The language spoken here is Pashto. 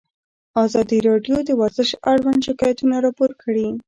ازادي راډیو د ورزش اړوند شکایتونه راپور کړي.